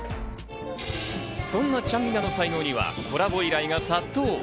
そんなちゃんみなの才能にはコラボ依頼が殺到。